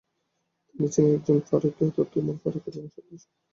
তিনি ছিলেন একজন ফারুকি অর্থাৎ উমর ফারুকের বংশধর।